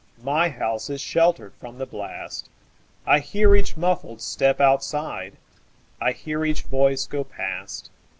My house is sheltered from the blast.I hear each muffled step outside,I hear each voice go past.